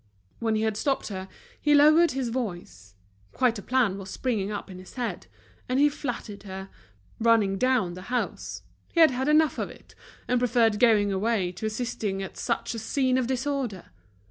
When he had stopped her, he lowered his voice. Quite a plan was springing up in his head. And he flattered her, running down the house; he had had enough of it, and preferred going away to assisting at such a scene of disorder.